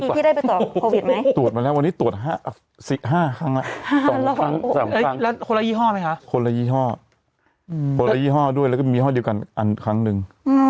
โปรดละยี่ห้อด้วยแล้วก็มียี่ห้อเดียวกันอันครั้งหนึ่ง